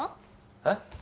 えっ？